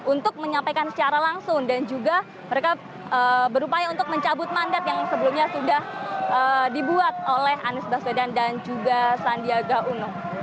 untuk menyampaikan secara langsung dan juga mereka berupaya untuk mencabut mandat yang sebelumnya sudah dibuat oleh anies baswedan dan juga sandiaga uno